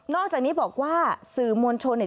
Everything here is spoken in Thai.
อกจากนี้บอกว่าสื่อมวลชนเนี่ย